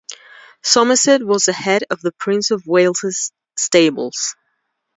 Somerset was the head of the Prince of Wales's stables.